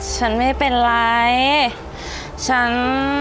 ฉันไม่เป็นไรฉัน